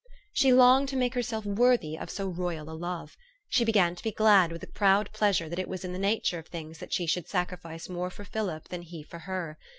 She longed to make herself worthy of so royal a love. She began to be glad with a proud pleasure that it was in the nature of things that she should sacrifice more for Philip than he for her.